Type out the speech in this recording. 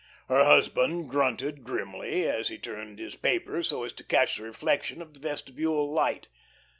Her husband grunted grimly as he turned his paper so as to catch the reflection of the vestibule light.